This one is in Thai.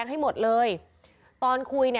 พ่อหยิบมีดมาขู่จะทำร้ายแม่